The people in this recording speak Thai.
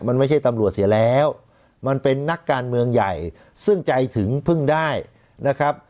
มันไม่ใช่ตำรวจเสียแล้วมันเป็นนักการเมืองใหญ่ซึ่งใจถึงพึ่งได้นะครับ